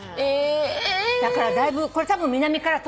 だからだいぶこれたぶん南から飛んできて。